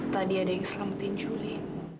tadi ada yang selamatin juli